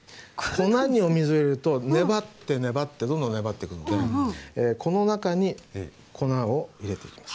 粉にお水を入れると粘って粘ってどんどん粘っていくのでこの中に粉を入れていきます。